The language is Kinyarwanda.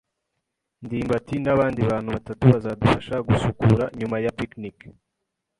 ndimbati nabandi bantu batatu bazadufasha gusukura nyuma ya picnic.